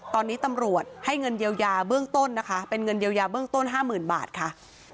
ตอนนี้ตำรวจให้เงินเยียวยาเบื้องต้นนะคะเป็นเงินเยียวยาเบื้องต้น๕๐๐๐บาทค่ะ